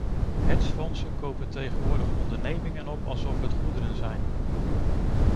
Hedgefondsen kopen tegenwoordig ondernemingen op alsof het goederen zijn.